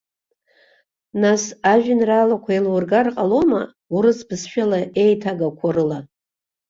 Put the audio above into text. Нас ажәеинраалақәа еилургар ҟалома урыс бызшәала еиҭагақәоу рыла?